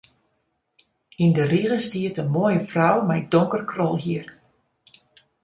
Yn de rige stiet in moaie frou mei donker krolhier.